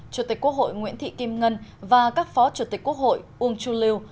chủ tịch quốc hội nguyễn thị kim ngân và các phó chủ tịch quốc hội uông chu lưu